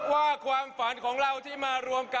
ว่าความฝันของเราที่มารวมกัน